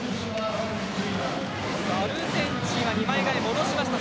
アルゼンチンは２枚代え戻しました。